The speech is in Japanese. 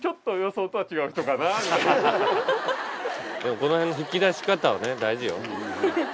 この辺引き出し方はね大事よ。